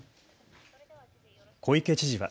小池知事は。